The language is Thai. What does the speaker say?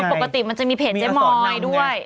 ปกติมันจะมีเพจเจ๊มอยด้วย